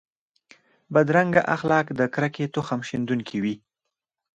بدرنګه اخلاق د کرکې تخم شندونکي وي